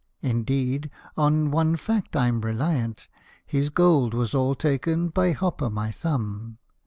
Indeed, on one fact I 'm reliant His gold was all taken by Hop o' my Thumb